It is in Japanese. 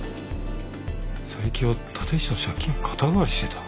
佐伯は立石の借金を肩代わりしてた？